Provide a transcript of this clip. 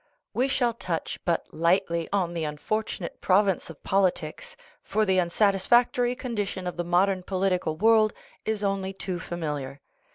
We shall touch but lightly on the unfortunate prov ince of politics, for the unsatisfactory condition of the modern political world is only too familiar.